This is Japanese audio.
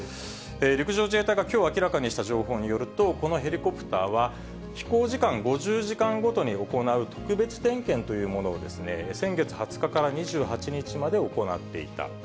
陸上自衛隊がきょう明らかにした情報によると、このヘリコプターは、飛行時間５０時間ごとに行う特別点検というものを、先月２０日から２８日まで行っていた。